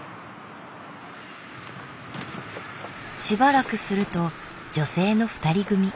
しばらくすると女性の２人組。